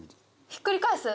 ひっくり返す？